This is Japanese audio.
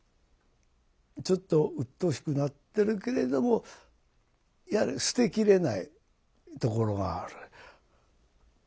ちょっとうっとうしくなってるけれども捨て切れないところがある。